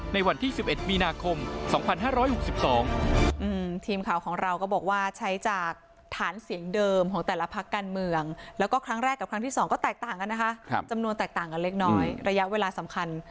ในวันที่๑๑มีนาคม๒๕๖๒